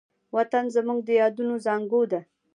وطن زموږ د یادونو زانګو ده.